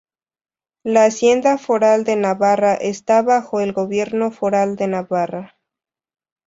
La Hacienda Foral de Navarra está bajo el Gobierno Foral de Navarra.